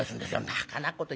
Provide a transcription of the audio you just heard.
「ばかなこと。